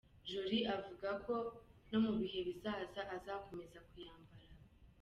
Jorie avuga ko no mu bihe bizaza azakomeza kuyambara.